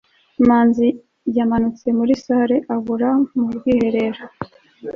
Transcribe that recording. manzi yamanutse muri salle abura mu bwiherero